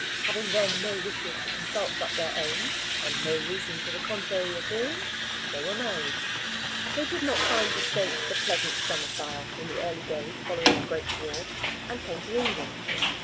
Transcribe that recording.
Having then no wishes to consult but their own, and no reason to the contrary appearing, they were married. They did not find the States a pleasant domicile in the early days following the great war, and came to England.